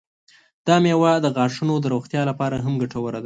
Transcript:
دا میوه د غاښونو د روغتیا لپاره هم ګټوره ده.